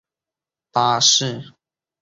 巴士总站位于车站北侧外的一楼。